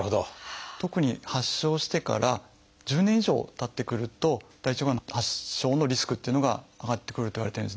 特に発症してから１０年以上たってくると大腸がん発症のリスクっていうのが上がってくるといわれてるんですね。